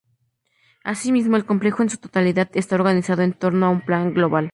Asimismo, el complejo en su totalidad está organizado en torno a un plan global.